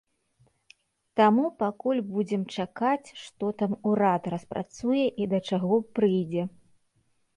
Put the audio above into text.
Таму пакуль будзем чакаць, што там урада распрацуе і да чаго прыйдзе.